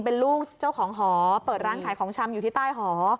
เป็นลูกเจ้าของหอเปิดร้านขายของชำอยู่ที่ใต้หอ